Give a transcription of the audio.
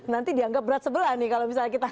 nanti dianggap berat sebelah nih kalau misalnya kita